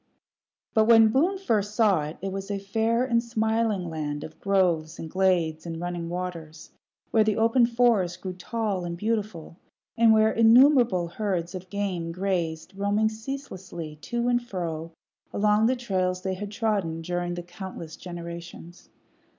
But when Boone first saw it, it was a fair and smiling land of groves and glades and running waters, where the open forest grew tall and beautiful, and where innumerable herds of game grazed, roaming ceaselessly to and fro along the trails they had trodden during countless generations.